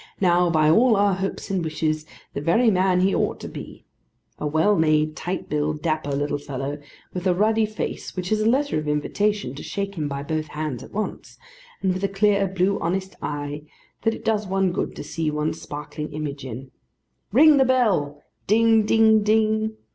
Now, by all our hopes and wishes, the very man he ought to be! A well made, tight built, dapper little fellow; with a ruddy face, which is a letter of invitation to shake him by both hands at once; and with a clear, blue honest eye, that it does one good to see one's sparkling image in. 'Ring the bell!' 'Ding, ding, ding!